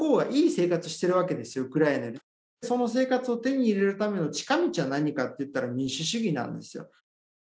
その生活を手に入れるための近道は何かといったら民主主義なんですよ。